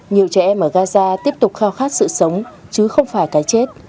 nhiều trẻ em ở gaza tiếp tục khao khát sự sống chứ không phải cái chết